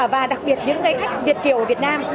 và đặc biệt những gây khách việt kiểu ở việt nam